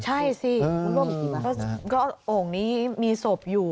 ใช่สิก็โอ่งนี้มีศพอยู่